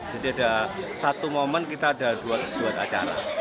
jadi ada satu momen kita ada dua acara